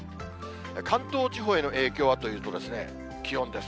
関東地方への影響はというと、気温です。